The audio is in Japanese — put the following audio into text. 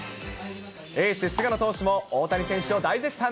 エース、菅野投手も大谷選手を大絶賛。